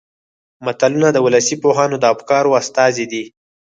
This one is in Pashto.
متلونه د ولسي پوهانو د افکارو استازي دي